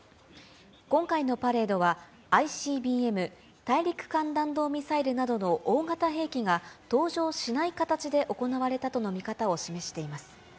今回のパレードは、ＩＣＢＭ・大陸間弾道ミサイルなどの大型兵器が登場しない形で行われたとの見方を示しています。